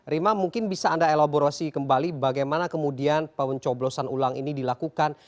rima mungkin bisa anda elaborasi kembali bagaimana kemudian pencoblosan ulang ini dilakukan